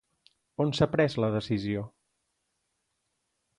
A on s'ha pres la decisió?